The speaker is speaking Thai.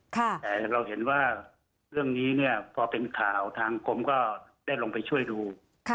แต่เราเห็นว่าเรื่องนี้เนี่ยพอเป็นข่าวทางกรมก็ได้ลงไปช่วยดู